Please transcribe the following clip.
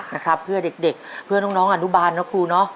นะครับเพื่อเด็กเพื่อน้องอนุบาลนะครูเนาะ